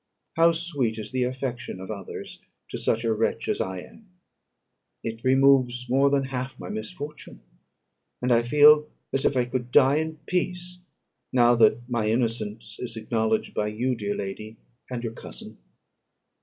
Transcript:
How sweet is the affection of others to such a wretch as I am! It removes more than half my misfortune; and I feel as if I could die in peace, now that my innocence is acknowledged by you, dear lady, and your cousin."